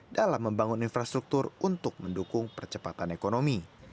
dalam membangun infrastruktur untuk mendukung percepatan ekonomi